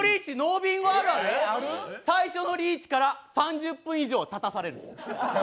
最初のリーチから３０分以上立たされる。